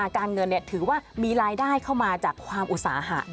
การเงินถือว่ามีรายได้เข้ามาจากความอุตสาหะ